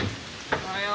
おはよう。